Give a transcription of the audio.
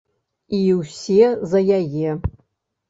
І ўсе за яе.